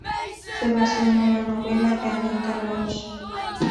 Se basó en una novela de Anita Loos.